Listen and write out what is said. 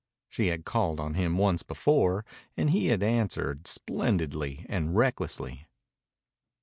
She had called on him once before, and he had answered splendidly and recklessly.